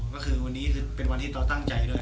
ก็คือวันนี้คือเป็นวันที่เราตั้งใจด้วย